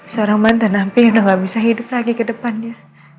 seorang mantan hampir udah gak bisa hidup lagi ke depannya